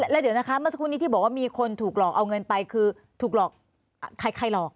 แล้วเดี๋ยวนะคะเมื่อสักครู่นี้ที่บอกว่ามีคนถูกหลอกเอาเงินไปคือถูกหลอกใครหลอก